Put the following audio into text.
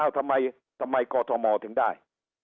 ทำไมกอทมถึงได้